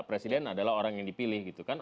presiden adalah orang yang dipilih gitu kan